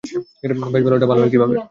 বেশ ভালো - এটা ভালো হয় কীভাবে?